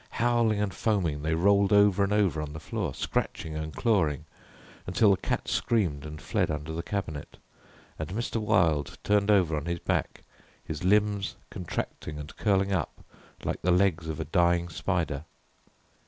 Howling and foaming they rolled over and over on the floor, scratching and clawing, until the cat screamed and fled under the cabinet, and Mr. Wilde turned over on his back, his limbs contracting and curling up like the legs of a dying spider.